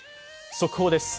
速報です。